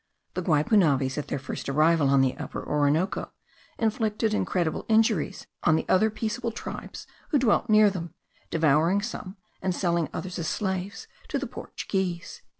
"The Guipunaves, at their first arrival on the Upper Orinoco, inflicted incredible injuries on the other peaceable tribes who dwelt near them, devouring some, and selling others as slaves to the Portuguese."